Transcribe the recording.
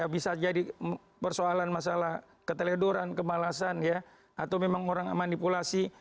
bisa jadi persoalan masalah keteledoran kemalasan ya atau memang orang manipulasi